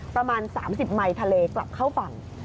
ประมาณ๓๐ไมค์ทะเลกลับเข้าฝั่ง